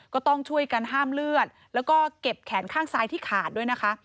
ก็ต้องช่วยกันห้ามเลือดแล้วก็เก็บแขนข้างซ้ายที่ขาดด้วยนะคะ